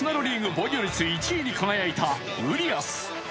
防御率１位に輝いたウリアス。